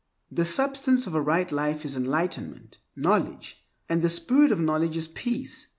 The substance of a right life is enlightenment (knowledge), and the spirit of knowledge is peace.